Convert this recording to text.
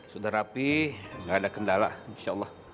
sudah rapi gak ada kendala insya allah